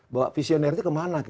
bawa visioner itu kemana